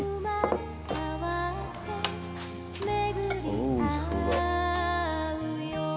おお美味しそうだ。